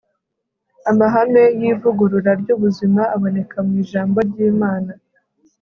amahame y'ivugurura ry'ubuzima aboneka mu ijambo ry'imana